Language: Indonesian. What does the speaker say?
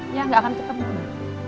ya nggak akan ketemu